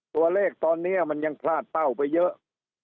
ตัวเลขตอนนี้มันยังพลาดเป้าไปเยอะ